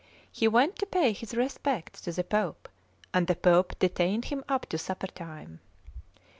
He went to pay his respects to the Pope, and the Pope detained him up to supper time.